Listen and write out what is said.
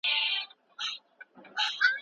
هغه د کابل پوهنتون د بيا رغونې هڅې وکړې.